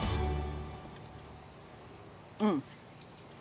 うん。